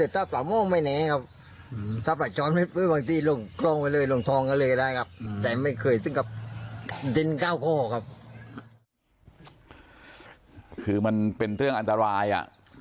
แต่ไม่เคยซึ่งกับดินก้าวคอครับคือมันเป็นเรื่องอันตรายอ่ะอันตรายจริงจริง